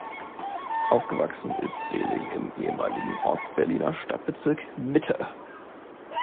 Aufgewachsen ist Seelig im ehemaligen Ost-Berliner Stadtbezirk Mitte.